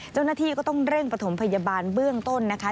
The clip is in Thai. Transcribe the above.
เจ้าหน้าที่ก็ต้องเร่งประถมพยาบาลเบื้องต้นนะคะ